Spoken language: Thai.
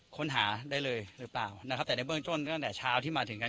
ค้นหาได้เลยหรือเปล่านะครับแต่ในเบื้องต้นตั้งแต่เช้าที่มาถึงกัน